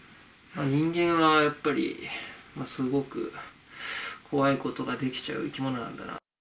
人間はやっぱりすごく怖いことができちゃう生き物なんだな。